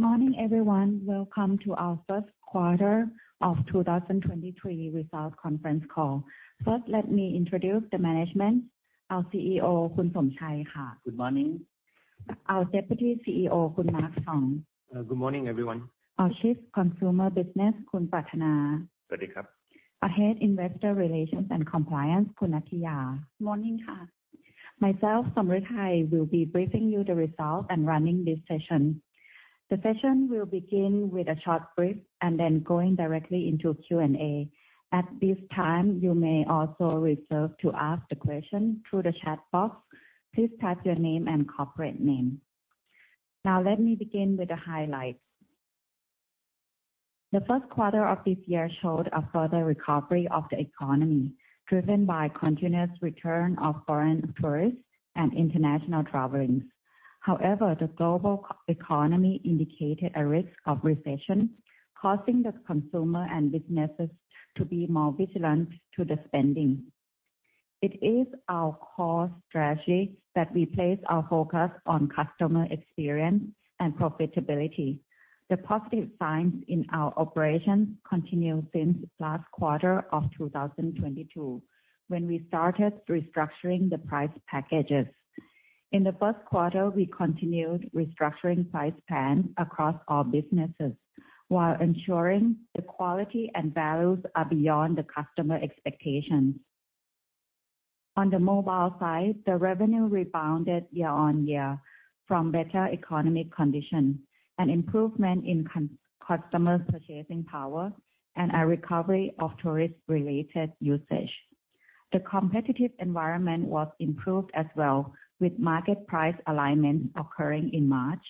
Good morning, everyone. Welcome to our first quarter of 2023 results conference call. First, let me introduce the management. Our CEO, Somchai Lertsutiwong. Good morning. Our Deputy CEO, Kantima Lerlertyuttitham. Good morning, everyone. Our Chief Consumer Business, Pratthana. Our Head Investor Relations and Compliance, Nattiya. Morning, Myself, Somruetai, will be briefing you the results and running this session. The session will begin with a short brief and then going directly into Q&A. At this time, you may also reserve to ask the question through the chat box. Please type your name and corporate name. Let me begin with the highlights. The first quarter of this year showed a further recovery of the economy, driven by continuous return of foreign tourists and international traveling. The global economy indicated a risk of recession, causing the consumer and businesses to be more vigilant to the spending. It is our core strategy that we place our focus on customer experience and profitability. The positive signs in our operations continue since last quarter of 2022, when we started restructuring the price packages. In the first quarter, we continued restructuring price plans across all businesses while ensuring the quality and values are beyond the customer expectations. On the mobile side, the revenue rebounded year-on-year from better economic conditions, an improvement in customer purchasing power, and a recovery of tourist-related usage. The competitive environment was improved as well, with market price alignment occurring in March.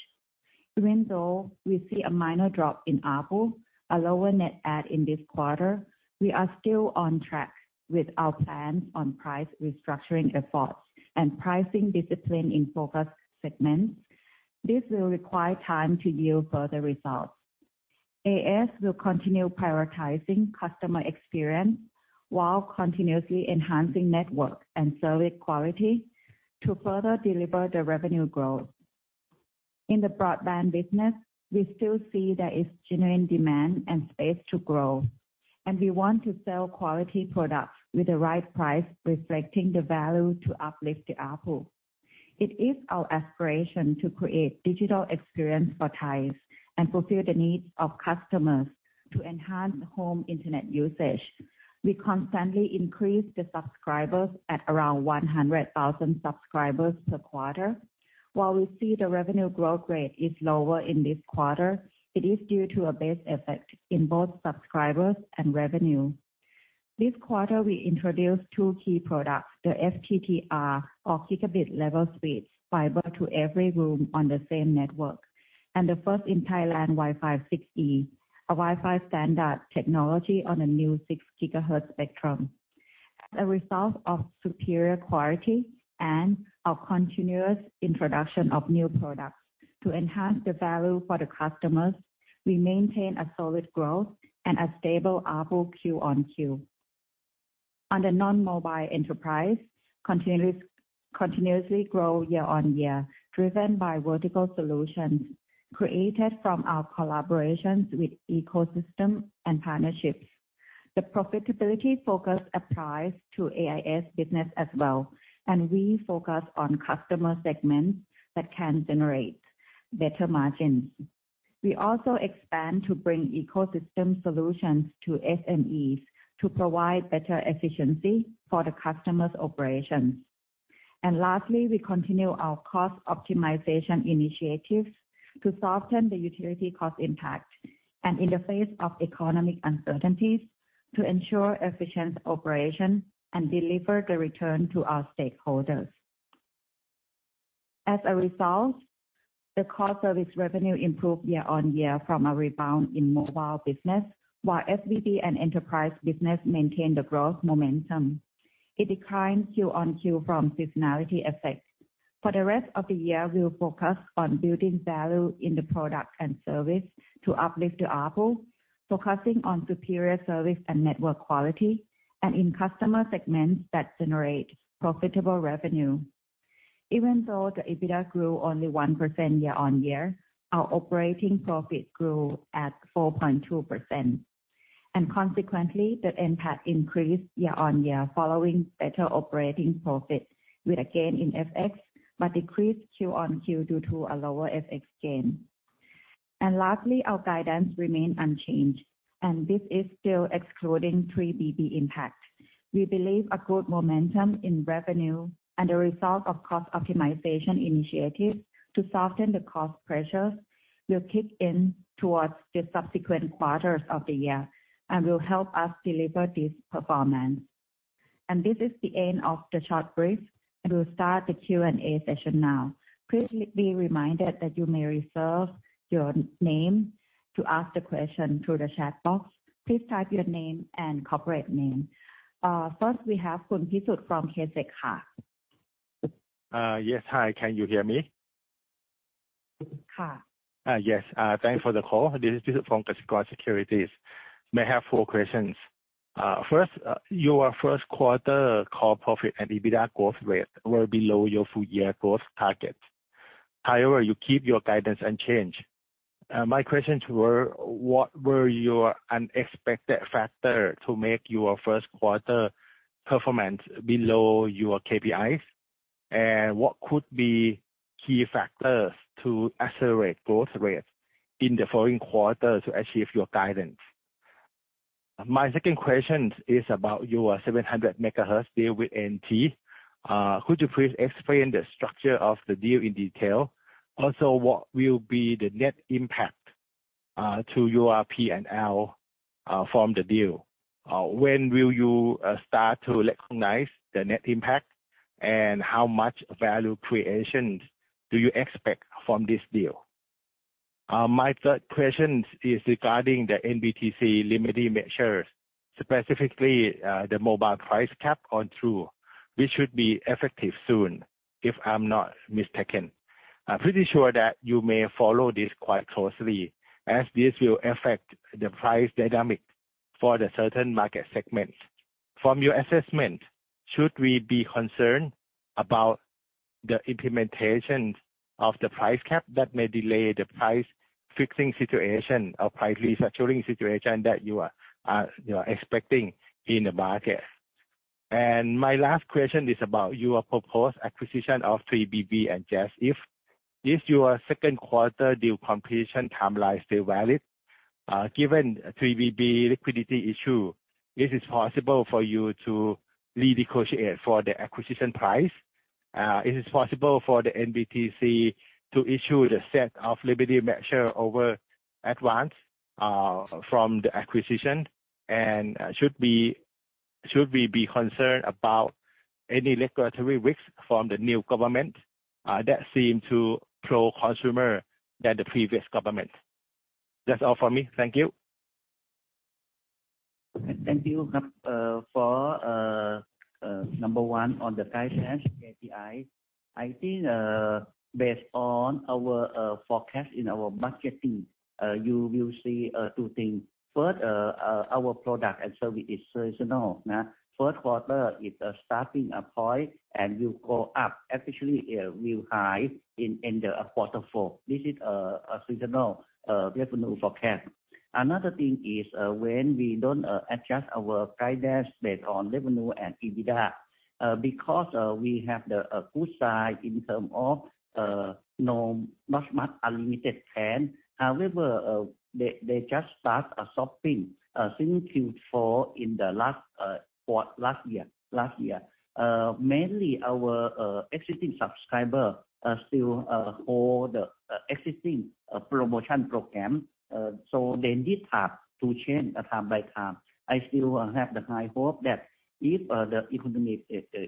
Even though we see a minor drop in ARPU, a lower net add in this quarter, we are still on track with our plans on price restructuring efforts and pricing discipline in focused segments. This will require time to yield further results. AIS will continue prioritizing customer experience while continuously enhancing network and service quality to further deliver the revenue growth. In the broadband business, we still see there is genuine demand and space to grow. We want to sell quality products with the right price, reflecting the value to uplift the ARPU. It is our aspiration to create digital experience for Thais and fulfill the needs of customers to enhance home internet usage. We constantly increase the subscribers at around 100,000 subscribers per quarter. While we see the revenue growth rate is lower in this quarter, it is due to a base effect in both subscribers and revenue. This quarter we introduced two key products, the FTTR, or gigabit level speed fiber to every room on the same network, and the first in Thailand Wi-Fi 6E, a Wi-Fi standard technology on a new 6 GHz spectrum. As a result of superior quality and our continuous introduction of new products to enhance the value for the customers, we maintain a solid growth and a stable ARPU Q-on-Q. On the non-mobile enterprise continuously grow year-over-year, driven by vertical solutions created from our collaborations with ecosystem and partnerships. The profitability focus applies to AIS business as well, and we focus on customer segments that can generate better margins. We also expand to bring ecosystem solutions to SMEs to provide better efficiency for the customer's operations. Lastly, we continue our cost optimization initiatives to soften the utility cost impact and in the face of economic uncertainties to ensure efficient operation and deliver the return to our stakeholders. As a result, the core service revenue improved year-over-year from a rebound in mobile business, while SBT and enterprise business maintain the growth momentum. It declined Q-on-Q from seasonality effects. For the rest of the year, we'll focus on building value in the product and service to uplift the ARPU, focusing on superior service and network quality and in customer segments that generate profitable revenue. Even though the EBITDA grew only 1% year-on-year, our operating profit grew at 4.2%. Consequently, the NPAT increased year-on-year following better operating profit with a gain in FX, but decreased Q-on-Q due to a lower FX gain. Lastly, our guidance remained unchanged, and this is still excluding 3BB impact. We believe a good momentum in revenue and the result of cost optimization initiatives to soften the cost pressures will kick in towards the subsequent quarters of the year and will help us deliver this performance. This is the end of the short brief. We will start the Q&A session now. Please be reminded that you may reserve your name to ask the question through the chat box. Please type your name and corporate name. First we have Pisut Ngamvijitvong from Kasikorn Securities. Yes. Hi. Can you hear me? Yes. Thanks for the call. This is Pisut from Kasikorn Securities. May I have four questions? First, your first quarter core profit and EBITDA growth rate were below your full year growth target. You keep your guidance unchanged. My questions were, what were your unexpected factor to make your first quarter performance below your KPIs? What could be key factors to accelerate growth rates in the following quarters to achieve your guidance? My second question is about your 700 MHz deal with NT. Could you please explain the structure of the deal in detail? What will be the net impact to your P&L from the deal? When will you start to recognize the net impact, and how much value creations do you expect from this deal? My third question is regarding the NBTC limiting measures, specifically, the mobile price cap on True, which should be effective soon, if I'm not mistaken. I'm pretty sure that you may follow this quite closely, as this will affect the price dynamic for the certain market segments. From your assessment, should we be concerned about the implementation of the price cap that may delay the price fixing situation or price restructuring situation that you are expecting in the market? My last question is about your proposed acquisition of 3BB and JASIF. Is your second quarter deal completion timeline still valid? Given 3BB liquidity issue, is it possible for you to renegotiate for the acquisition price? Is it possible for the NBTC to issue the set of limiting measure over Advanced from the acquisition? Should we be concerned about any regulatory risks from the new government that seem to pro-consumer than the previous government? That's all for me. Thank you. Thank you. For number one, on the guidance KPI, I think, based on our forecast in our budgeting, you will see two things. First, our product and service is seasonal. First quarter is a starting point, and you go up, especially, will high in end of quarter four. This is a seasonal revenue forecast. Another thing is, when we don't adjust our guidance based on revenue and EBITDA, because we have the good side in term of no not much unlimited plan. However, they just start stopping since Q4 in the last year. Mainly our existing subscriber still hold existing promotion program, so they need time to change time by time. I still have the high hope that if the economy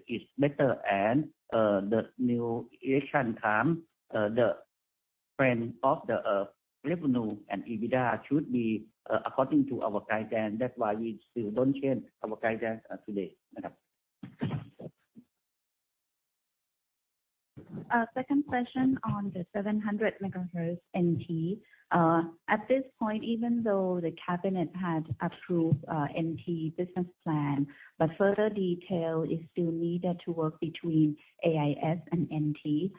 is better and the new election come, the trend of the revenue and EBITDA should be according to our guidance. That's why we still don't change our guidance today. Second question on the 700 MHz NT. At this point, even though the cabinet has approved NT business plan, further detail is still needed to work between AIS and NT.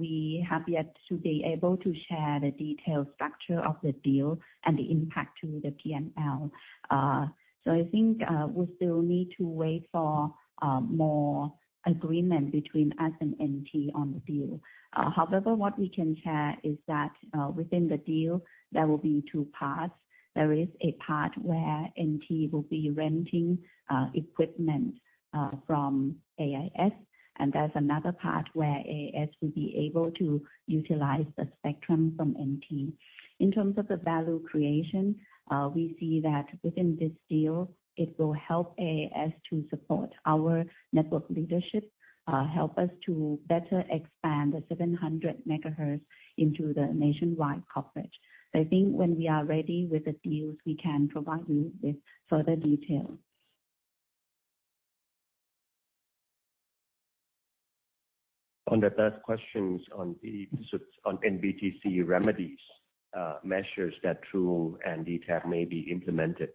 We have yet to be able to share the detailed structure of the deal and the impact to the P&L. I think we still need to wait for more agreement between us and NT on the deal. However, what we can share is that within the deal, there will be two parts. There is a part where NT will be renting equipment from AIS, and there's another part where AIS will be able to utilize the spectrum from NT. In terms of the value creation, we see that within this deal, it will help AIS to support our network leadership, help us to better expand the 700 MHz into the nationwide coverage. I think when we are ready with the deals, we can provide you with further details. On the third questions on the NBTC remedies, measures that True and DTAC may be implemented.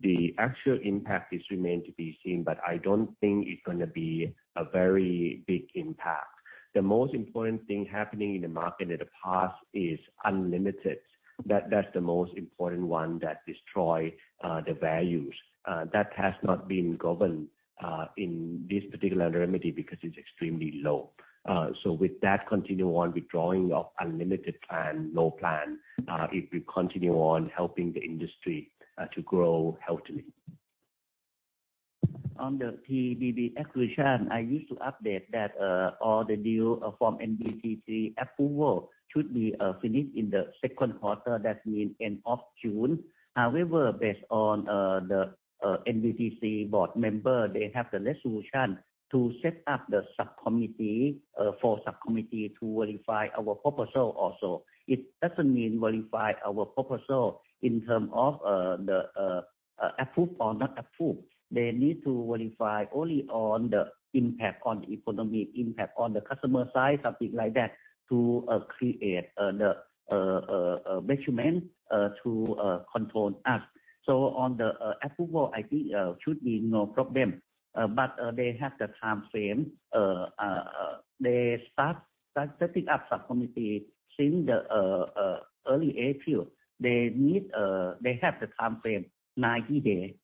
The actual impact is remain to be seen, but I don't think it's gonna be a very big impact. The most important thing happening in the market in the past is unlimited. That's the most important one that destroy the values. That has not been governed in this particular remedy because it's extremely low. With that continue on withdrawing of unlimited plan, no plan, it will continue on helping the industry to grow healthily. On the 3BB acquisition, I used to update that, all the deal, from NBTC approval should be finished in the second quarter. That mean end of June. Based on the NBTC board member, they have the resolution to set up the subcommittee, for subcommittee to verify our proposal also. It doesn't mean verify our proposal in term of the approve or not approve. They need to verify only on the impact on the economy, impact on the customer side, something like that, to create the measurement to control us. On the approval, I think should be no problem. They have the time frame, they start setting up subcommittee since the early April. They need they have the time frame 90 days.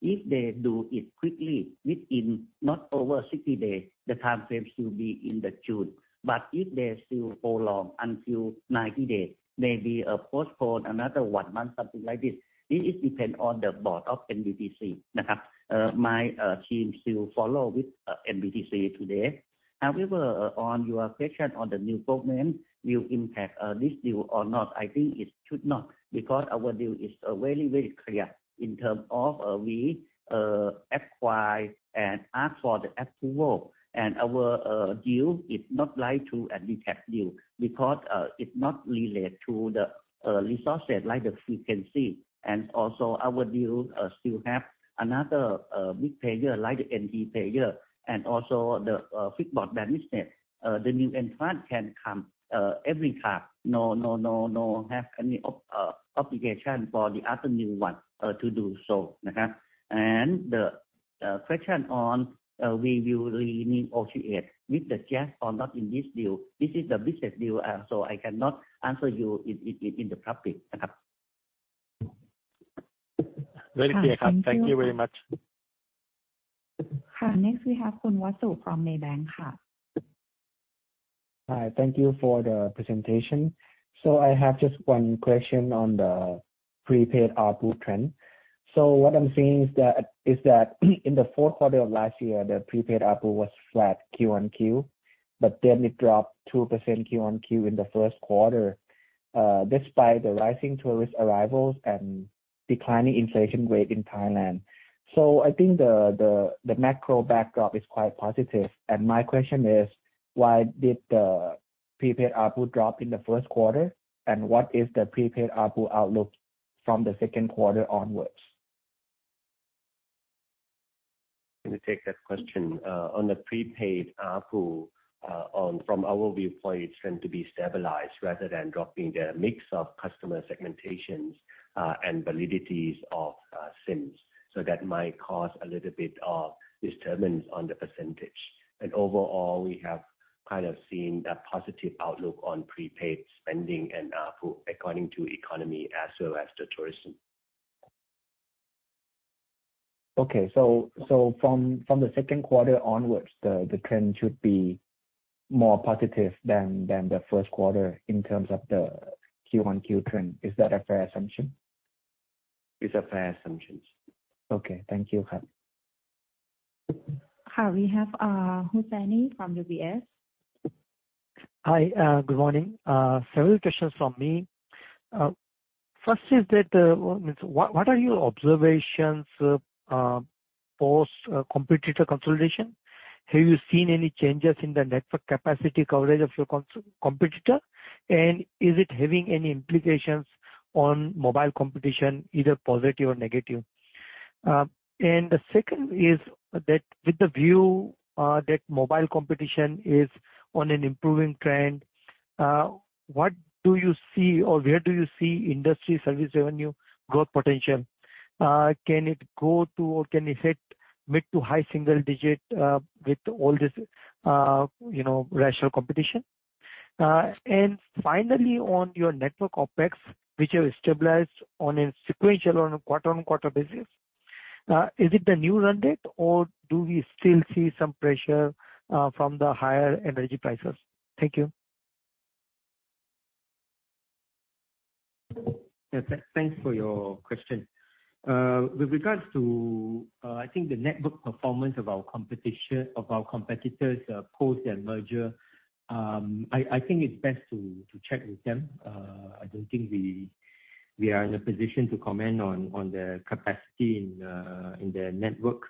If they do it quickly within not over 60 days, the time frame should be in June. If they still prolong until 90 days, maybe postpone another one month, something like this. It depends on the board of NBTC. My team still follow with NBTC today. On your question on the new government will impact this deal or not, I think it should not, because our deal is very, very clear in terms of we acquire and ask for the approval. Our deal is not like True and DTAC deal because it not relate to the resources like the frequency. Our deal still have another big player like the NT player and also the fixed broadbands. The new entrant can come every time, no have any obligation for the other new one to do so. The question on we will renegotiate with JAS or not in this deal. This is the business deal, so I cannot answer you in the public. Very clear. Thank you. Thank you very much. Next, we have Wasu Mattanapotchanart from Maybank. Hi. Thank you for the presentation. I have just one question on the prepaid ARPU trend. What I'm seeing is that in the fourth quarter of last year, the prepaid ARPU was flat Q-on-Q, but then it dropped 2% Q-on-Q in the first quarter, despite the rising tourist arrivals and declining inflation rate in Thailand. I think the macro backdrop is quite positive. My question is, why did the prepaid ARPU drop in the first quarter? What is the prepaid ARPU outlook from the second quarter onwards? Let me take that question. On the prepaid ARPU, from our viewpoint, it's going to be stabilized rather than dropping their mix of customer segmentations, and validities of SIMs. That might cause a little bit of disturbance on the percentage. Overall, we have kind of seen a positive outlook on prepaid spending and ARPU according to economy as well as the tourism. Okay. From the second quarter onwards, the trend should be more positive than the first quarter in terms of the Q-on-Q trend. Is that a fair assumption? It's a fair assumption. Okay. Thank you, Kan. Hi. We have Hussaini from UBS. Hi. Good morning. Several questions from me. First is that, what are your observations post competitor consolidation? Have you seen any changes in the network capacity coverage of your competitor? Is it having any implications on mobile competition, either positive or negative? The second is that with the view that mobile competition is on an improving trend, what do you see or where do you see industry service revenue growth potential? Can it go to or can it hit mid-to-high single digit with all this, you know, rational competition? Finally, on your network OpEx, which have stabilized on a sequential quarter-on-quarter basis, is it the new run rate, or do we still see some pressure from the higher energy prices? Thank you. Yes. Thanks for your question. With regards to, I think the network performance of our competition, of our competitors, post their merger, I think it's best to check with them. I don't think we are in a position to comment on their capacity in their network.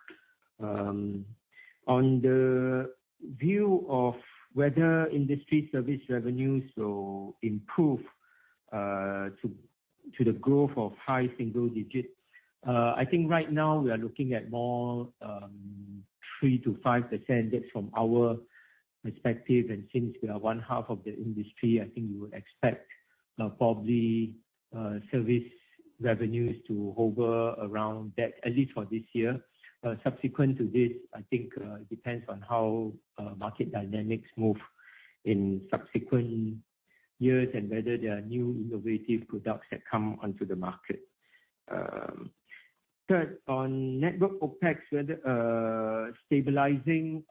On the view of whether industry service revenues will improve to the growth of high single digits, I think right now we are looking at more 3%-5%. That's from our perspective. Since we are 1/2 of the industry, I think we would expect probably service revenues to hover around that, at least for this year. Subsequent to this, I think, it depends on how market dynamics move in subsequent years and whether there are new innovative products that come onto the market. Third, on network OpEx, whether stabilizing,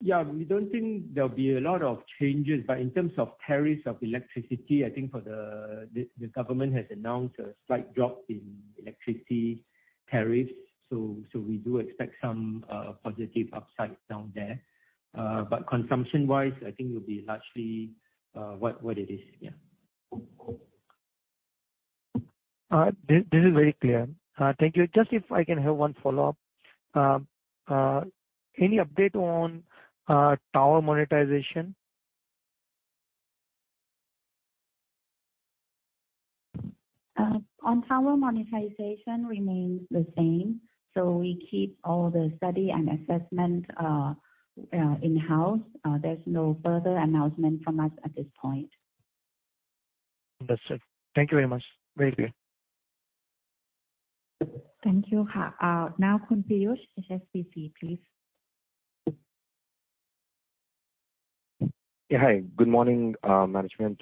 we don't think there'll be a lot of changes. In terms of tariffs of electricity, I think The government has announced a slight drop in electricity tariffs. We do expect some positive upside down there. Consumption-wise, I think it'll be largely what it is. This is very clear. Thank you. Just if I can have one follow-up. Any update on tower monetization? On tower monetization remains the same, so we keep all the study and assessment in-house. There's no further announcement from us at this point. Understood. Thank you very much. Very clear. Thank you. Now Piyush Choudhary, HSBC, please. Yeah. Hi, good morning, management,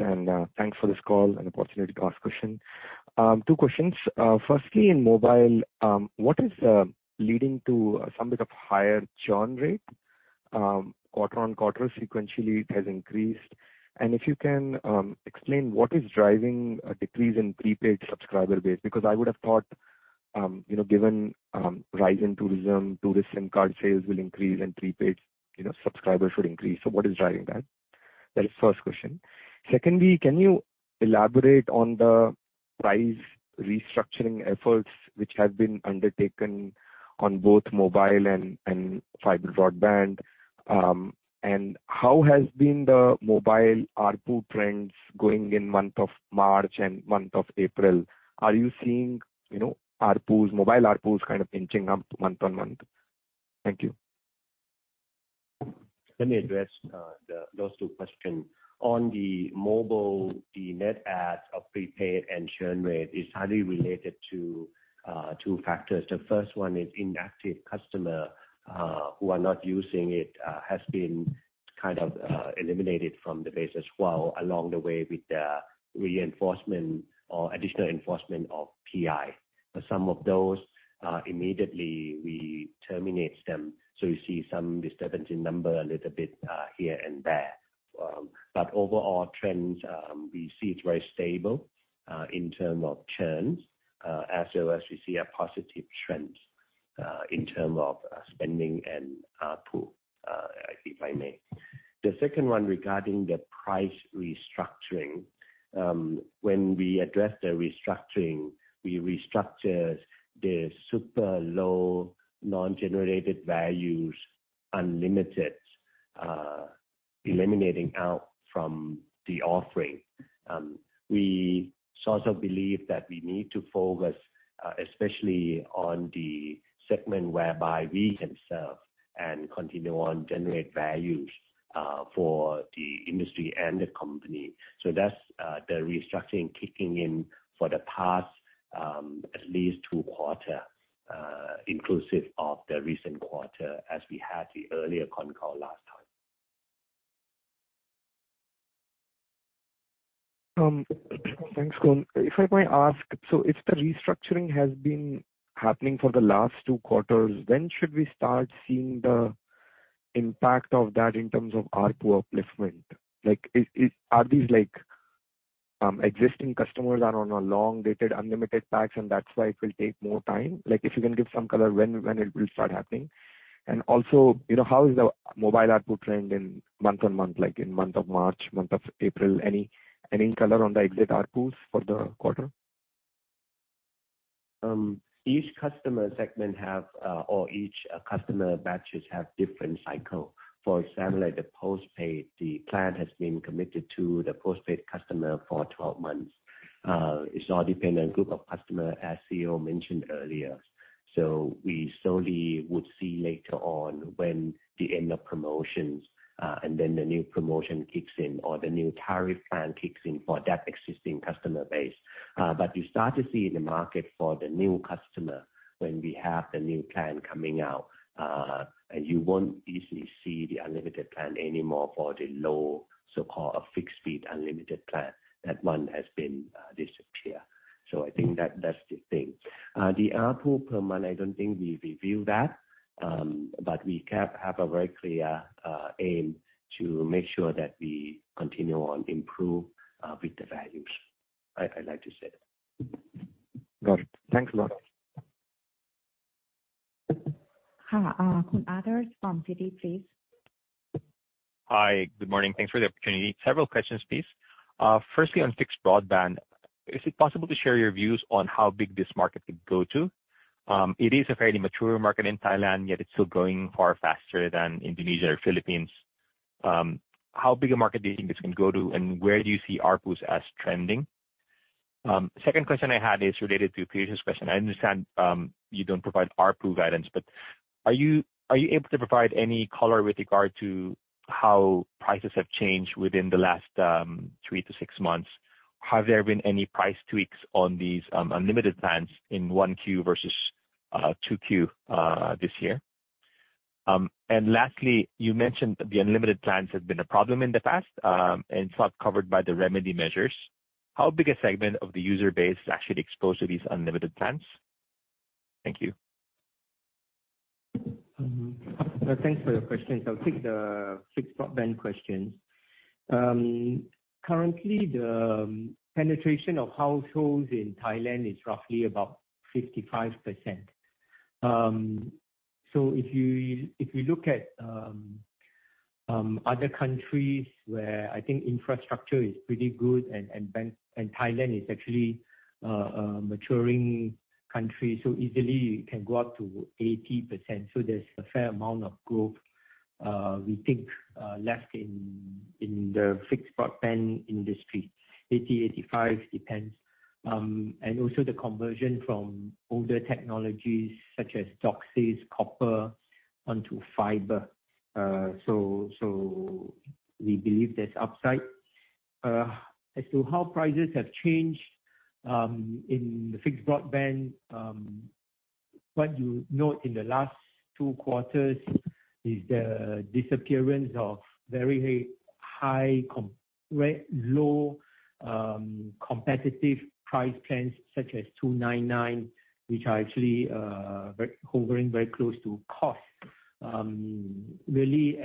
thanks for this call and the opportunity to ask question. Two questions. Firstly, in mobile, what is leading to a somewhat of higher churn rate? Quarter-on-quarter sequentially it has increased. If you can explain what is driving a decrease in prepaid subscriber base, because I would have thought, you know, given rise in tourism card sales will increase and prepaid, you know, subscribers should increase. What is driving that? That is first question. Secondly, can you elaborate on the price restructuring efforts which have been undertaken on both mobile and fiber broadband? How has been the mobile ARPU trends going in month of March and month of April? Are you seeing, you know, ARPUs, mobile ARPUs kind of inching up month-on-month? Thank you. Let me address the those two questions. On the mobile, the net add of prepaid and churn rate is highly related to two factors. The first one is inactive customer, who are not using it, has been kind of, eliminated from the base as well along the way with the reinforcement or additional enforcement of PI. For some of those, immediately we terminate them, so you see some disturbance in number a little bit, here and there. Overall trends, we see it's very stable, in term of churns, as well as we see a positive trend, in term of spending and ARPU, if I may. The second one regarding the price restructuring, when we address the restructuring, we restructure the super low non-generated values unlimited, eliminating out from the offering. We sort of believe that we need to focus, especially on the segment whereby we can serve and continue on generate values, for the industry and the company. That's the restructuring kicking in for the past, at least two quarter, inclusive of the recent quarter as we had the earlier con call last time. Thanks, Kan. If I might ask, if the restructuring has been happening for the last two quarters, when should we start seeing the impact of that in terms of ARPU upliftment? Like, are these, like, existing customers are on a long-dated unlimited packs and that's why it will take more time? Like, if you can give some color when it will start happening. Also, you know, how is the mobile ARPU trend in month-on-month, like in month of March, month of April? Any, any color on the exit ARPUs for the quarter? Each customer segment have, or each customer batches have different cycle. For example, like the postpaid, the plan has been committed to the postpaid customer for 12 months. It's all dependent group of customer, as CEO mentioned earlier. We slowly would see later on when the end of promotions, and then the new promotion kicks in or the new tariff plan kicks in for that existing customer base. You start to see the market for the new customer when we have the new plan coming out. You won't easily see the unlimited plan anymore for the low, so-called a fixed fee unlimited plan. That one has been disappear. I think that that's the thing. The ARPU per month, I don't think we reveal that. We have a very clear aim to make sure that we continue on improve with the values. I'd like to say that. Got it. Thanks a lot. Kun Adarsh from Citi, please. Hi. Good morning. Thanks for the opportunity. Several questions, please. Firstly, on fixed broadband, is it possible to share your views on how big this market could go to? It is a fairly mature market in Thailand, yet it's still growing far faster than Indonesia or Philippines. How big a market do you think this can go to, and where do you see ARPUs as trending? Second question I had is related to Piyush's question. I understand, you don't provide ARPU guidance, but are you able to provide any color with regard to how prices have changed within the last three to six months? Have there been any price tweaks on these unlimited plans in 1Q versus 2Q this year? Lastly, you mentioned the unlimited plans have been a problem in the past, and it's not covered by the remedy measures. How big a segment of the user base is actually exposed to these unlimited plans? Thank you. Thanks for your questions. I'll take the fixed broadband question. Currently, the penetration of households in Thailand is roughly about 55%. If you look at other countries where I think infrastructure is pretty good and bank, and Thailand is actually a maturing country, so easily it can go up to 80%, so there's a fair amount of growth. We think less in the fixed broadband industry, 80, 85 depends. Also the conversion from older technologies such as DOCSIS copper onto fiber. We believe there's upside. As to how prices have changed in the fixed broadband, what you note in the last two quarters is the disappearance of very low competitive price plans such as 299, which are actually hovering very close to cost. Really,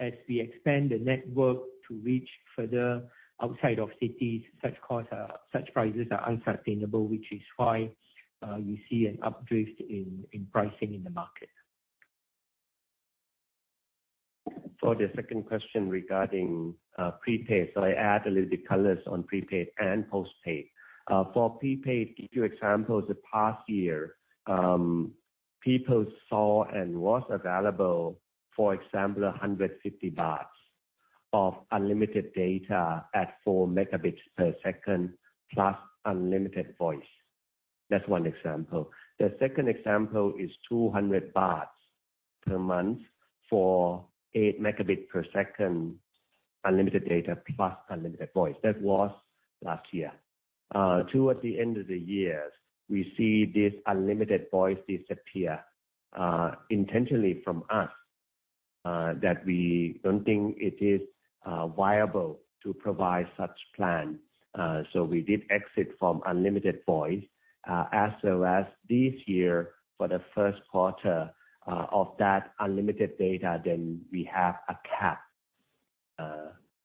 as we expand the network to reach further outside of cities, such prices are unsustainable, which is why you see an updrift in pricing in the market. For the second question regarding prepaid, I add a little bit colors on prepaid and postpaid. For prepaid, give you examples of past year, people saw and was available, for example, 150 THB of unlimited data at 4 Mbps, plus unlimited voice. That's one example. The second example is 200 baht per month for 8 Mbps unlimited data plus unlimited voice. That was last year. Towards the end of the year, we see this unlimited voice disappear, intentionally from us, that we don't think it is viable to provide such plan. We did exit from unlimited voice, as well as this year, for the first quarter, of that unlimited data we have a cap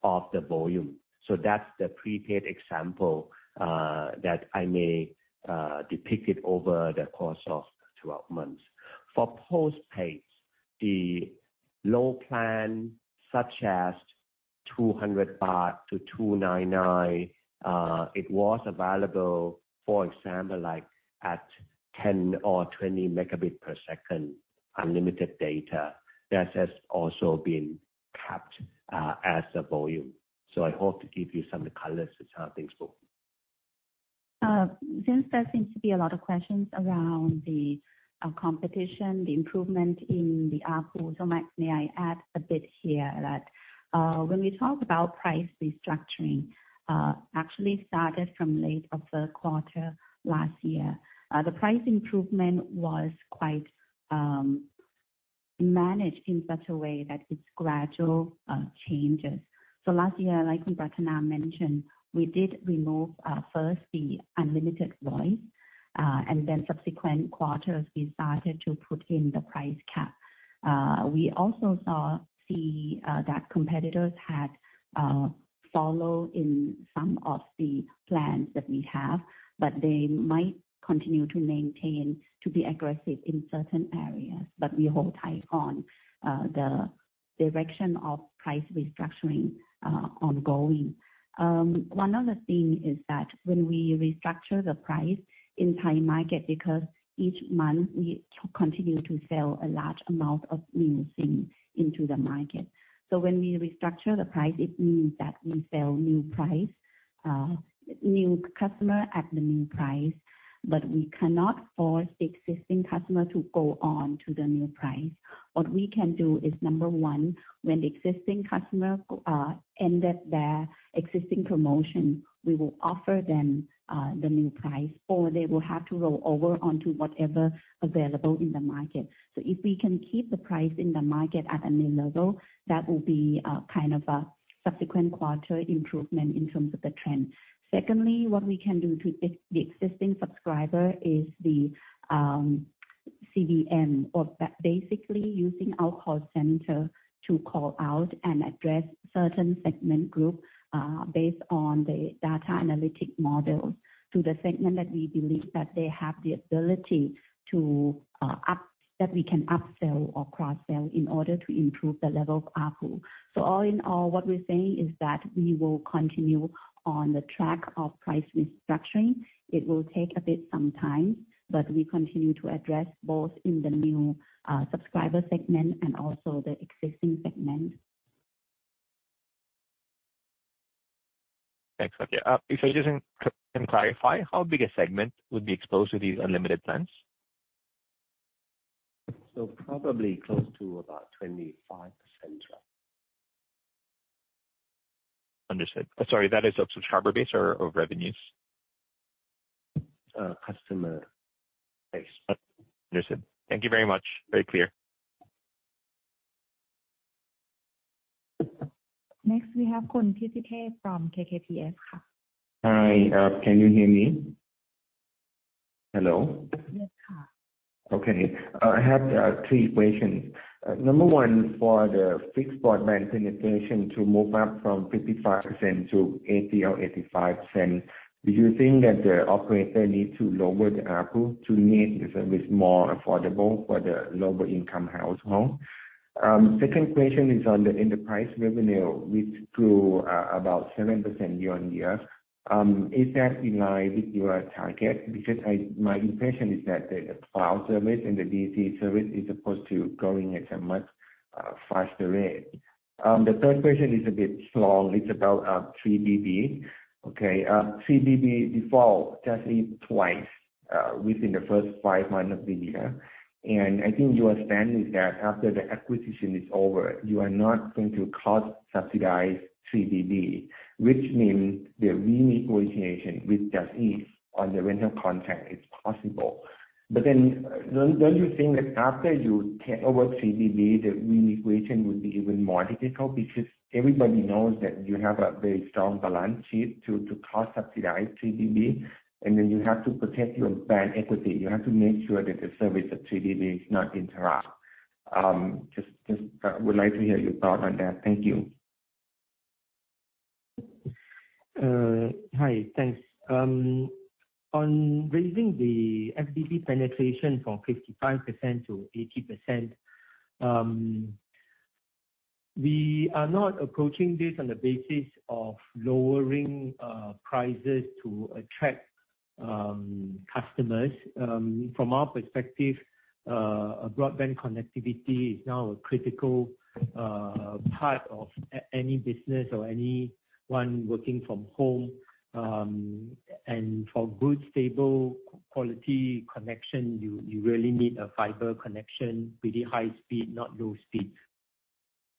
of the volume. That's the prepaid example, that I may depict it over the course of 12 months. For postpaid, the low plan, such as 200 baht to 299, it was available, for example, like at 10 or 20 Mbps unlimited data that has also been capped, as a volume. I hope to give you some of the colors to start. Thanks for. Since there seems to be a lot of questions around the competition, the improvement in the ARPU, may I add a bit here that when we talk about price restructuring, actually started from late of third quarter last year. The price improvement was quite managed in such a way that it's gradual changes. Last year, like Kantima mentioned, we did remove first the unlimited voice, and then subsequent quarters we started to put in the price cap. We also see that competitors had follow in some of the plans that we have, but they might continue to maintain to be aggressive in certain areas. We hold tight on the direction of price restructuring ongoing. One other thing is that when we restructure the price in Thai market, because each month we continue to sell a large amount of new SIM into the market. When we restructure the price, it means that we sell new price, new customer at the new price, but we cannot force existing customer to go on to the new price. What we can do is, number one, when the existing customer, end their existing promotion, we will offer them the new price, or they will have to roll over onto whatever available in the market. If we can keep the price in the market at a new level, that will be kind of a subsequent quarter improvement in terms of the trend. Secondly, what we can do to the existing subscriber is the CBN or basically using our call center to call out and address certain segment group based on the data analytic models. To the segment that we believe that they have the ability to that we can upsell or cross-sell in order to improve the level of ARPU. All in all, what we're saying is that we will continue on the track of price restructuring. It will take a bit some time, but we continue to address both in the new subscriber segment and also the existing segment. Thanks. Okay, if you can clarify how big a segment would be exposed to these unlimited plans. Probably close to about 25%. Understood. Sorry, that is of subscriber base or revenues? Customer base. Understood. Thank you very much. Very clear. Next we have Khun Thitithep from KKTS. Hi. Can you hear me? Hello? Yes. Okay. I have three questions. Number one, for the fixed broadband penetration to move up from 55% to 80% or 85%, do you think that the operator needs to lower the ARPU to make the service more affordable for the lower income household? Second question is on the enterprise revenue, which grew about 7% year-on-year. Is that in line with your target? Because I, my impression is that the cloud service and the DC service is supposed to growing at a much faster rate. Third question is a bit long. It's about 3BB. Okay, 3BB default just twice within the first five months of the year. I think your stand is that after the acquisition is over, you are not going to cost subsidize 3BB, which means the renegotiation with JASIF on the rental contract, it's possible. Don't you think that after you take over 3BB, the renegotiation would be even more difficult because everybody knows that you have a very strong balance sheet to cost subsidize 3BB, and then you have to protect your bank equity. You have to make sure that the service of 3BB is not interrupt. just would like to hear your thought on that. Thank you. Hi. Thanks. On raising the FBB penetration from 55% to 80%, we are not approaching this on the basis of lowering prices to attract customers. From our perspective, a broadband connectivity is now a critical part of any business or anyone working from home. For good, stable, quality connection, you really need a fiber connection, pretty high speed, not low speed.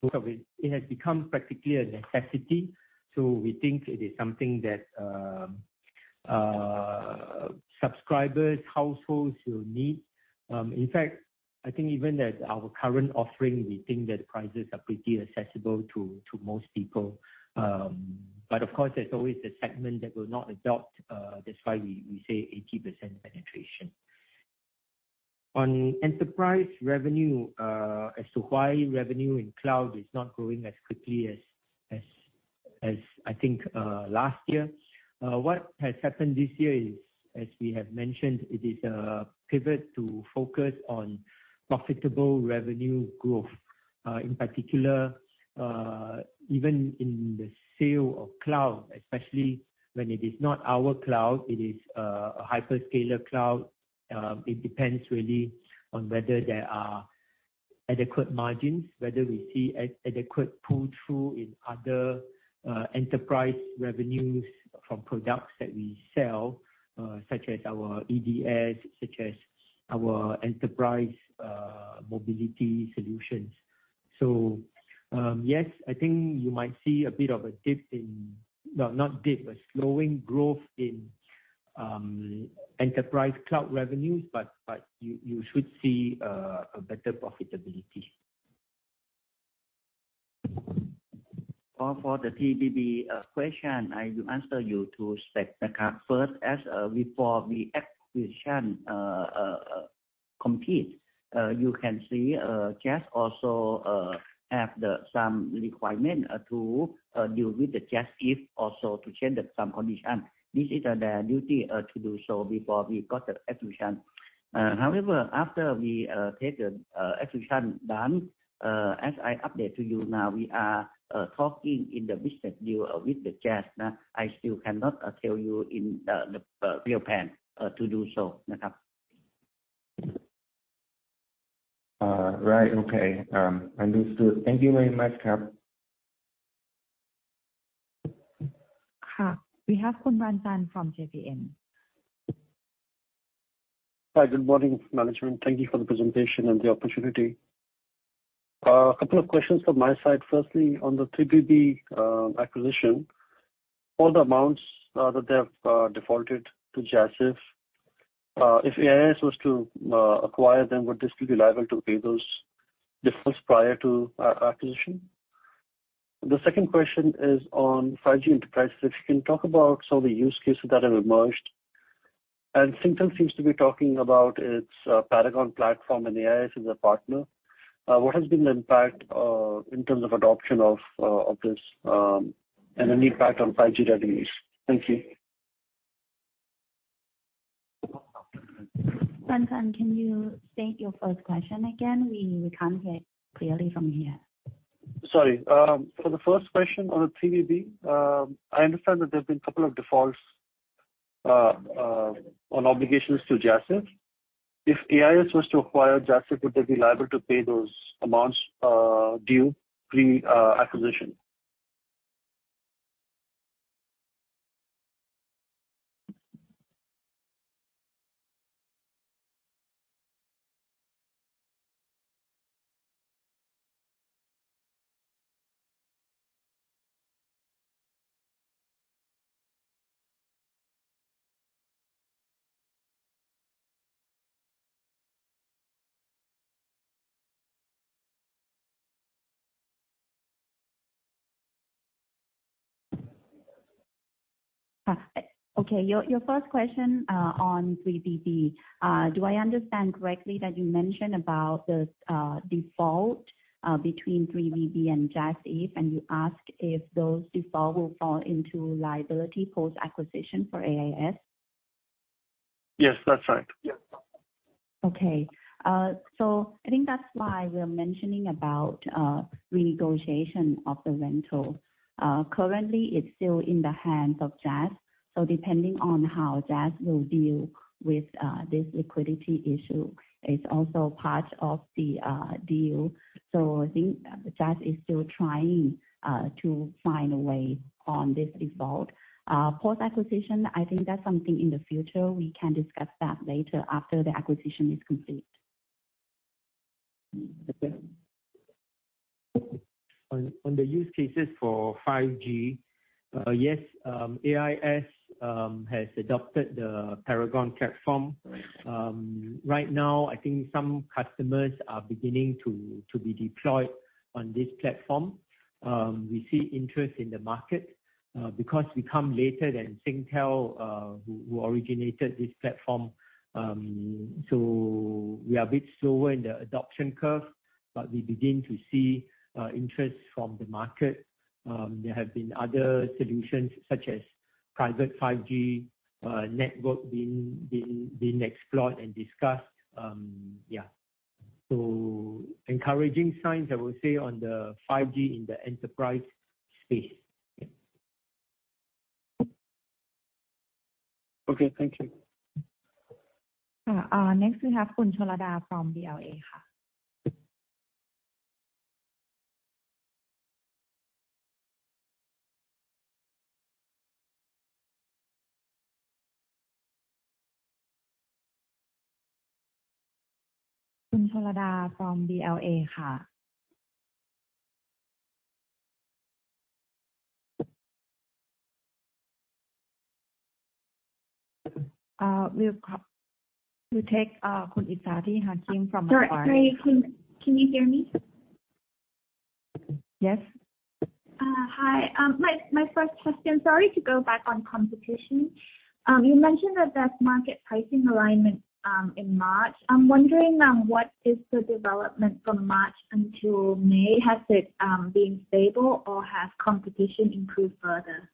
It has become practically a necessity, so we think it is something that subscribers, households will need. In fact, I think even at our current offering, we think that prices are pretty accessible to most people. Of course, there's always a segment that will not adopt, that's why we say 80% penetration. On enterprise revenue, as to why revenue in cloud is not growing as quickly as I think last year. What has happened this year is, as we have mentioned, it is a pivot to focus on profitable revenue growth. In particular, even in the sale of cloud, especially when it is not our cloud, it is a hyperscaler cloud, it depends really on whether there are adequate margins, whether we see adequate pull-through in other enterprise revenues from products that we sell, such as our EDS, such as our enterprise mobility solutions. Yes, I think you might see a slowing growth in enterprise cloud revenues, but you should see better profitability. For the 3BB question, I will answer you to set the cap first. As before the acquisition complete, you can see JAS also have some requirement to deal with JASIF also to change some condition. This is their duty to do so before we got the acquisition. However, after we get the acquisition done, as I update to you now, we are talking in the business deal with JAS now. I still cannot tell you in the real plan to do so now. Right. Okay. Understood. Thank you very much. We have Ranjan from JPMorgan. Hi. Good morning, management. Thank you for the presentation and the opportunity. A couple of questions from my side. Firstly, on the 3BB acquisition, all the amounts that they have defaulted to JASIF, if AIS was to acquire them, would this be liable to pay those defaults prior to acquisition? The second question is on 5G enterprise. If you can talk about some of the use cases that have emerged. Singtel seems to be talking about its PAaragon platform, and AIS is a partner. What has been the impact in terms of adoption of this and any impact on 5G revenues? Thank you. Ranjan, can you state your first question again? We can't hear clearly from here. Sorry. For the first question on 3BB, I understand that there have been a couple of defaults on obligations to JASIF. If AIS was to acquire JASIF, would they be liable to pay those amounts due pre acquisition? Okay. Your, your first question, on 3BB, do I understand correctly that you mentioned about this, default, between 3BB and JASIF, and you ask if those default will fall into liability post-acquisition for AIS? Yes, that's right. Yes. Okay. I think that's why we're mentioning about renegotiation of the rental. Currently, it's still in the hands of JAS. Depending on how JAS will deal with this liquidity issue, it's also part of the deal. I think JAS is still trying to find a way on this default. Post-acquisition, I think that's something in the future. We can discuss that later after the acquisition is complete. On the use cases for 5G, yes, AIS has adopted the Paragon platform. Right now, I think some customers are beginning to be deployed on this platform. We see interest in the market because we come later than Singtel, who originated this platform. We are a bit slower in the adoption curve, but we begin to see interest from the market. There have been other solutions such as private 5G network being explored and discussed. Encouraging signs, I will say, on the 5G in the enterprise space. Okay. Thank you. Next we have Khun Thorada from BLA. We'll take Kun Izzati Hakim from Macquarie. Sorry, can you hear me? Yes. Hi. My first question, sorry to go back on competition. You mentioned about market pricing alignment, in March. I'm wondering, what is the development from March until May? Has it been stable or has competition improved further?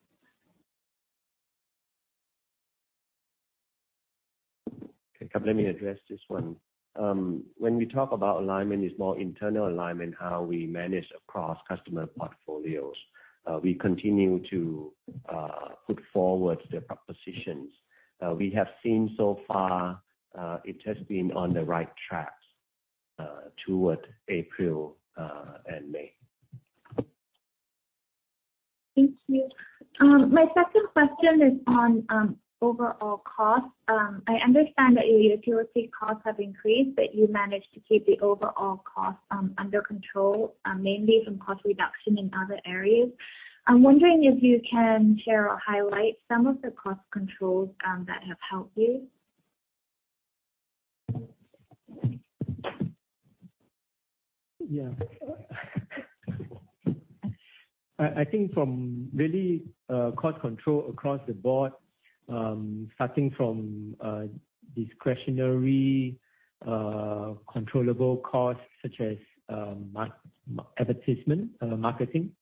Okay. Let me address this one. When we talk about alignment, it's more internal alignment, how we manage across customer portfolios. We continue to put forward the propositions. We have seen so far, it has been on the right track, towards April and May. Thank you. My second question is on overall costs. I understand that your utility costs have increased, but you managed to keep the overall costs under control, mainly from cost reduction in other areas. I'm wondering if you can share or highlight some of the cost controls that have helped you. Yeah. I think from really, cost control across the board, starting from discretionary, controllable costs such as advertisement, marketing.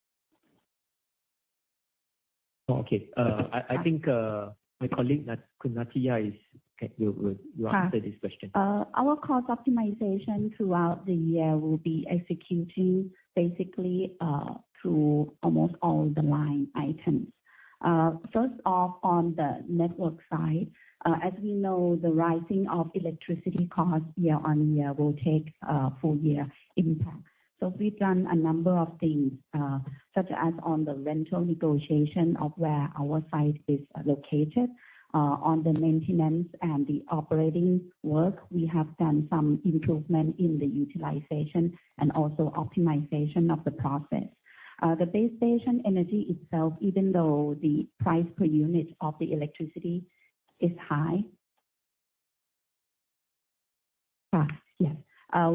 Okay. I think my colleague, Nattiya Poapongsakorn will answer this question. Our cost optimization throughout the year will be executing basically, through almost all the line items. First off, on the network side, as we know, the rising of electricity costs year-over-year will take a full year impact. We've done a number of things, such as on the rental negotiation of where our site is located. On the maintenance and the operating work, we have done some improvement in the utilization and also optimization of the process. The base station energy itself, even though the price per unit of the electricity is high. Yes.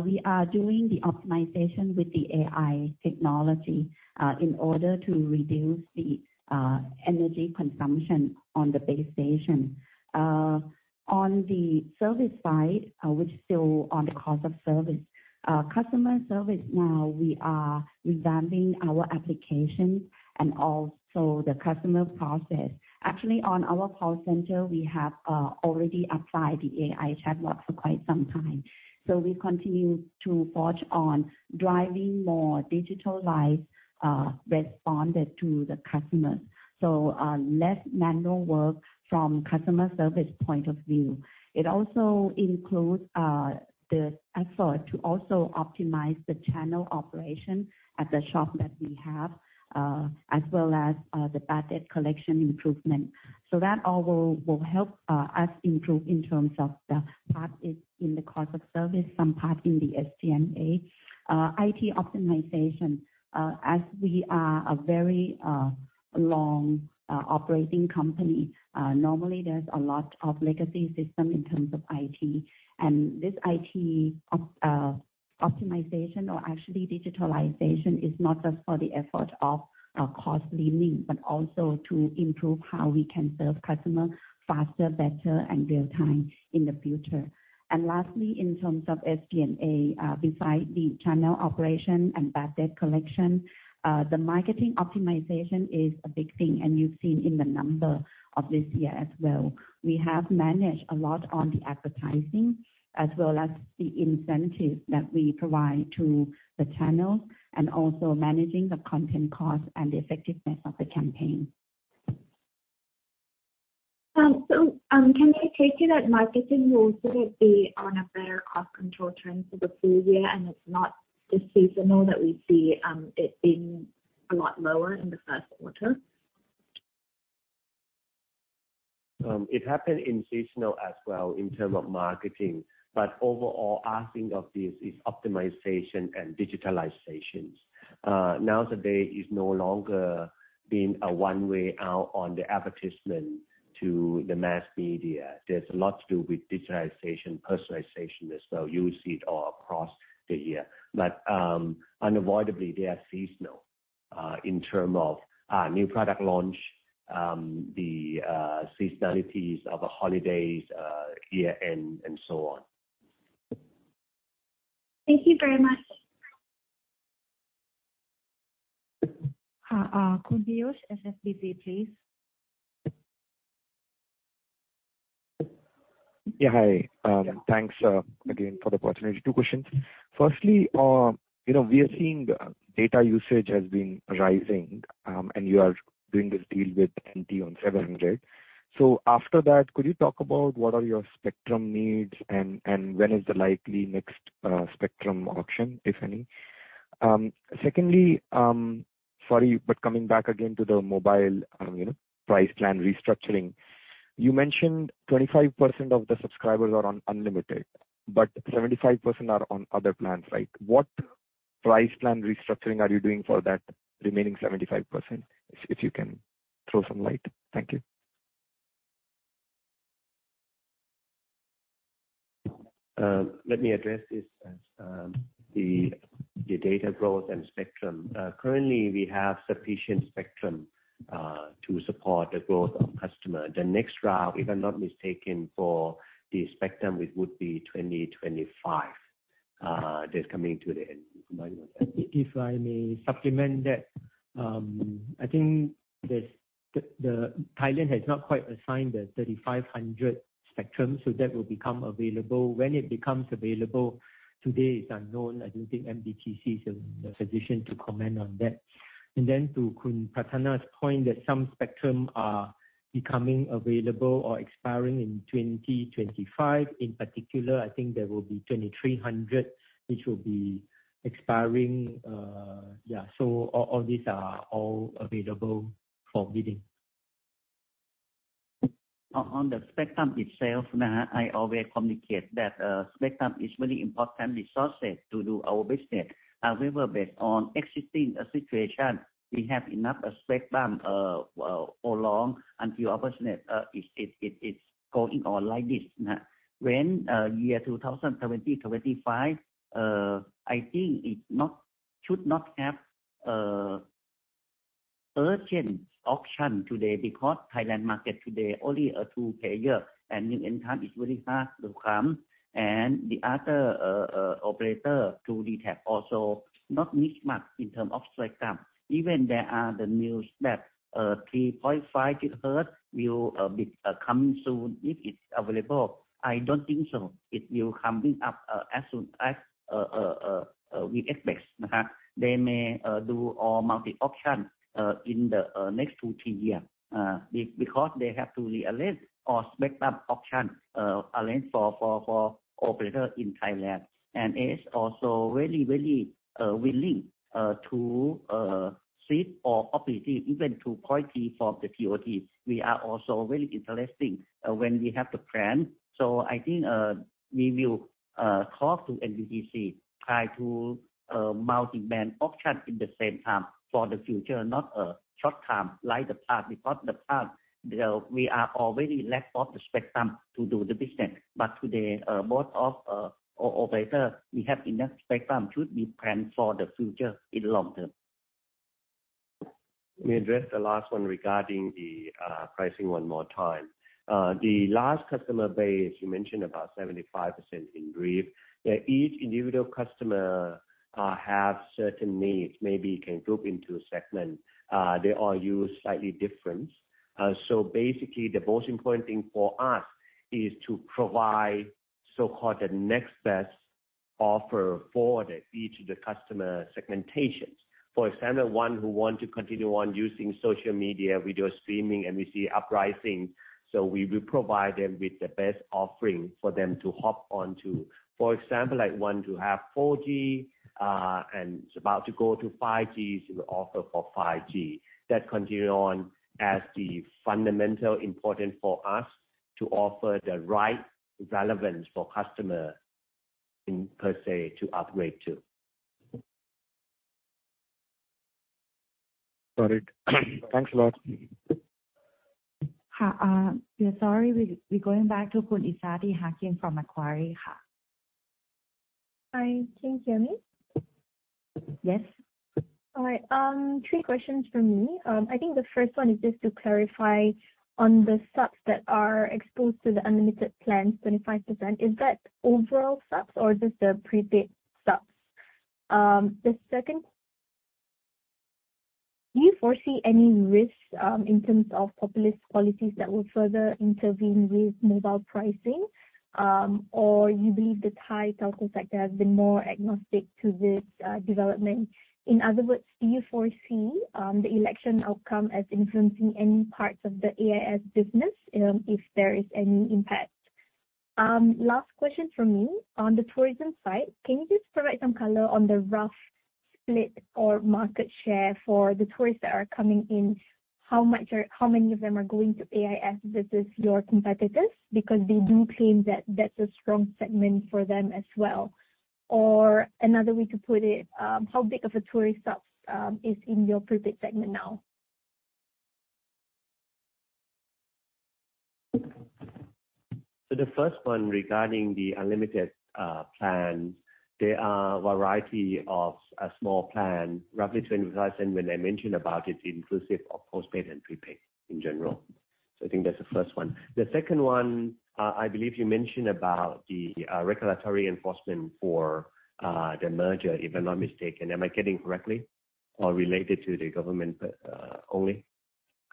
We are doing the optimization with the AI technology, in order to reduce the energy consumption on the base station. On the service side, which is still on the cost of service. Customer service now, we are revamping our application and also the customer process. Actually, on our call center, we have already applied the AI chatbot for quite some time. We continue to forge on driving more digitalized responded to the customers. Less manual work from customer service point of view. It also includes the effort to also optimize the channel operation at the shop that we have as well as the bad debt collection improvement. That all will help us improve in terms of the part is in the cost of service, some part in the SDMA. IT optimization. As we are a very long operating company, normally there's a lot of legacy system in terms of IT. This IT optimization or actually digitalization is not just for the effort of cost leaning, but also to improve how we can serve customer faster, better, and real-time in the future. Lastly, in terms of SDMA, besides the channel operation and bad debt collection, the marketing optimization is a big thing, and you've seen in the number of this year as well. We have managed a lot on the advertising as well as the incentive that we provide to the channels and also managing the content cost and the effectiveness of the campaign. Can I take it that marketing will sort of be on a better cost control trend for the full year, and it's not just seasonal that we see it being a lot lower in the first quarter? It happened in seasonal as well in terms of marketing, overall, I think of this is optimization and digitalizations. Now today is no longer being a one way out on the advertisement to the mass media. There's a lot to do with digitalization, personalization as well. You will see it all across the year. Unavoidably, they are seasonal, in term of, new product launch, the, seasonalities of the holidays, year-end and so on. Thank you very much. Kun Bios, HSBC, please. Yeah. Hi. Thanks again for the opportunity. Two questions. Firstly, you know, we are seeing data usage has been rising, and you are doing this deal with NT on 700. After that, could you talk about what are your spectrum needs and when is the likely next spectrum auction, if any? Secondly, sorry, coming back again to the mobile, you know, price plan restructuring. You mentioned 25% of the subscribers are on unlimited, but 75% are on other plans, right? What price plan restructuring are you doing for that remaining 75%? If you can throw some light. Thank you. Let me address this as the data growth and spectrum. Currently we have sufficient spectrum to support the growth of customer. The next round, if I'm not mistaken, for the spectrum, it would be 2025 that's coming to the end. Am I right? If I may supplement that. I think the Thailand has not quite assigned the 3500 spectrum, that will become available. When it becomes available today is unknown. I don't think NBTC is in a position to comment on that. To Kun Pratthana's point that some spectrum are becoming available or expiring in 2025. In particular, I think there will be 2300 MHz which will be expiring. All these are all available for bidding. On the spectrum itself, nah, I always communicate that spectrum is very important resources to do our business. However, based on existing situation, we have enough spectrum for long, until our business it's going on like this, nah. When year 2025, I think should not have urgent auction today because Thailand market today only two player and new entrant is very hard to come. The other operator to DTAC also not need much in terms of spectrum. Even there are the news that 3.5 GHz will be coming soon if it's available. I don't think so. It will coming up as soon as we expect, nah. They may do all multi auction in the next two, three years because they have to re-align or spectrum auction align for operator in Thailand. AIS also very willing to cede or opportunity even to True Corp for the PoT. We are also very interesting when we have the plan. I think we will talk to NBTC, try to multiband auction in the same time for the future, not short term like the past, because the past we are already lacked of the spectrum to do the business. Today, both of operator, we have enough spectrum should we plan for the future in long term. Let me address the last one regarding the pricing one more time. The large customer base you mentioned about 75% in brief, that each individual customer have certain needs, maybe can group into a segment. They all use slightly different. Basically the most important thing for us is to provide so-called the next best offer for the each of the customer segmentations. For example, one who want to continue on using social media, video streaming, we see uprising, so we will provide them with the best offering for them to hop onto. For example, like one who have 4G and is about to go to 5G, so we offer for 5G. That continue on as the fundamental important for us to offer the right relevance for customer in, per se, to upgrade to. Got it. Thanks a lot. We're sorry. We going back to Kun Izzati Hakim from Macquarie. Hi. Can you hear me? Yes. All right. Three questions from me. The first one is just to clarify on the subs that are exposed to the unlimited plans, 25%. Is that overall subs or just the prepaid subs? The second, do you foresee any risks in terms of populist policies that will further intervene with mobile pricing? Or you believe the Thai telco sector has been more agnostic to this development. In other words, do you foresee the election outcome as influencing any parts of the AIS business and if there is any impact? Last question from me. On the tourism side, can you just provide some color on the rough split or market share for the tourists that are coming in? How many of them are going to AIS versus your competitors? Because they do claim that that's a strong segment for them as well. Another way to put it, how big of a tourist stop is in your prepaid segment now? The first one regarding the unlimited plan. There are a variety of a small plan, roughly 20,000 when I mentioned about it, inclusive of postpaid and prepaid in general. I think that's the first one. The second one, I believe you mentioned about the regulatory enforcement for the merger, if I'm not mistaken. Am I getting correctly or related to the government only?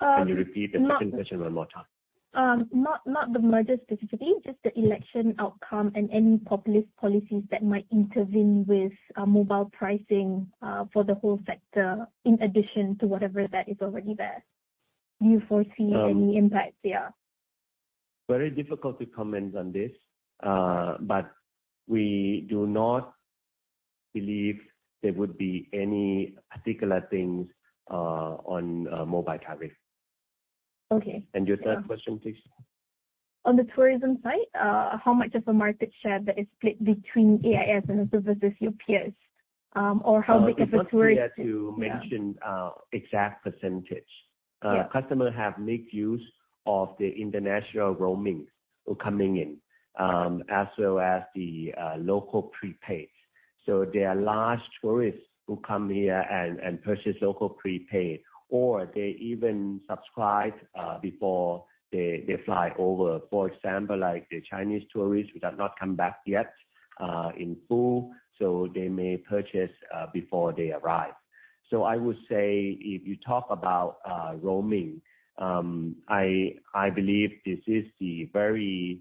Um, not. Can you repeat the second question one more time? Not the merger specifically, just the election outcome and any populist policies that might intervene with mobile pricing for the whole sector, in addition to whatever that is already there. Do you foresee any impacts there? Very difficult to comment on this, but we do not believe there would be any particular things, on, mobile tariff. Okay. Your third question, please. On the tourism side, how much of the market share that is split between AIS and versus your peers? It's hard to mention exact percentage. Yeah. Customer have mixed use of the international roaming who coming in, as well as the local prepaid. There are large tourists who come here and purchase local prepaid, or they even subscribe before they fly over. For example, like the Chinese tourists who have not come back yet in full, so they may purchase before they arrive. I would say if you talk about roaming, I believe this is the very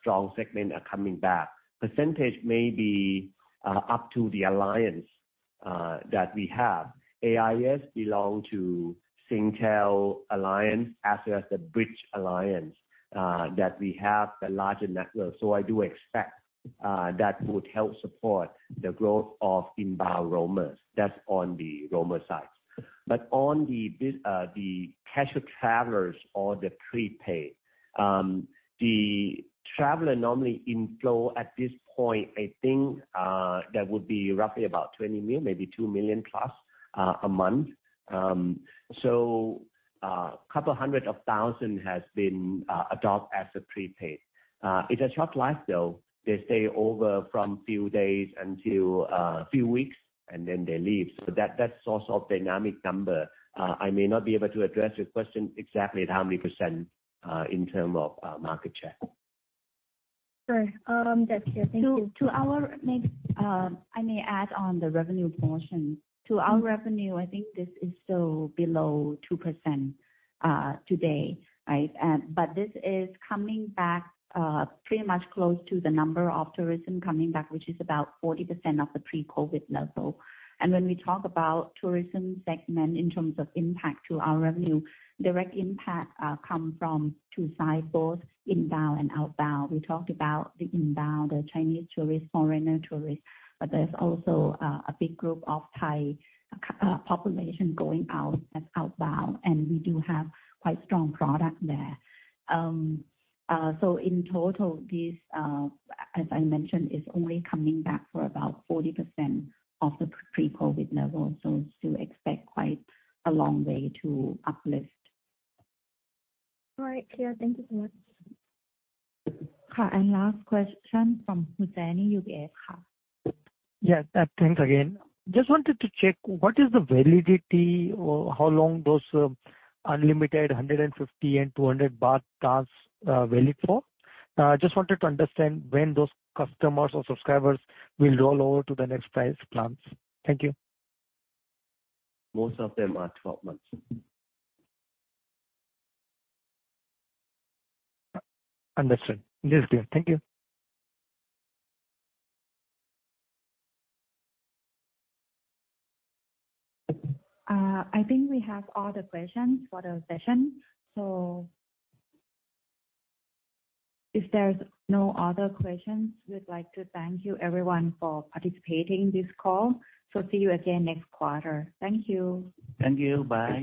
strong segment coming back. Percentage may be up to the alliance that we have. AIS belong to Singtel Alliance, as well as the Bridge Alliance that we have a larger network. I do expect that would help support the growth of inbound roamers. That's on the roamer side. On the bus. The casual travelers or the prepaid, the traveler normally inflow at this point, I think, that would be roughly about 20 million, maybe 2 million+, a month. A couple hundred of thousand has been adopted as a prepaid. It's a short life though. They stay over from few days until few weeks, and then they leave. That's also a dynamic number. I may not be able to address your question exactly at how many %, in terms of market share. Sure. That's clear. Thank you. I may add on the revenue portion. To our revenue, I think this is still below 2% today, right? But this is coming back pretty much close to the number of tourism coming back, which is about 40% of the pre-COVID level. When we talk about tourism segment in terms of impact to our revenue, direct impact come from two sides, both inbound and outbound. We talked about the inbound, the Chinese tourists, foreigner tourists, but there's also a big group of Thai population going out as outbound, and we do have quite strong product there. In total, this, as I mentioned, is only coming back for about 40% of the pre-COVID level. We still expect quite a long way to uplift. All right. Clear. Thank you so much. Last question from Hussaini, UBS. Yes. thanks again. Just wanted to check, what is the validity or how long those unlimited 150 and 200 baht plans valid for? Just wanted to understand when those customers or subscribers will roll over to the next price plans. Thank you. Most of them are 12 months. Understood. Yes. Clear. Thank you. I think we have all the questions for the session. If there's no other questions, we'd like to thank you everyone for participating in this call. See you again next quarter. Thank you. Thank you. Bye.